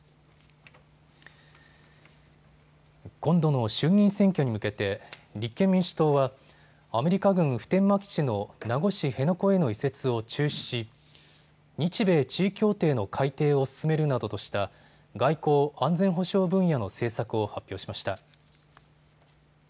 今度の衆議院選挙に向けて立憲民主党はアメリカ軍普天間基地の名護市辺野古への移設を中止し、日米地位協定の改定を進めるなどとした外交・安全保障分野の政策を発表しました。